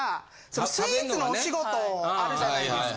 スイーツのお仕事あるじゃないですか？